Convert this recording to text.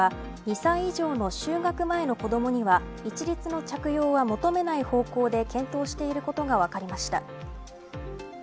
新型コロナ対策のマスク着用について政府は、２歳以上の就学前の子どもには一律の着用は求めない方向で検討していることが分かりました。